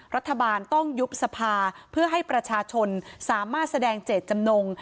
รัฐบาลต้องยุบสภาเพื่อให้ประชาชนสามารถแสดงเจตจำนง